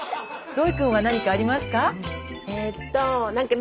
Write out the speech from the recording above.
ロイくんは何かありますか？